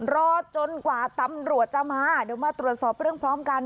รอจนกว่าตำรวจจะมาเดี๋ยวมาตรวจสอบเรื่องพร้อมกัน